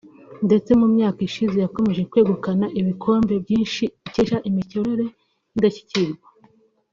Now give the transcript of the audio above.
ndetse mu myaka ishize yakomeje kwegukana ibikombe byinshi ikesha imikorere y’indashyikirwa